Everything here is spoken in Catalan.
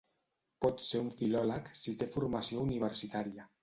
Pot ser un filòleg si té formació universitària.